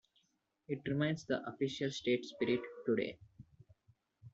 It remains the "Official State Spirit" today.